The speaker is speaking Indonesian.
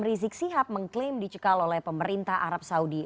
rizik sihab mengklaim dicekal oleh pemerintah arab saudi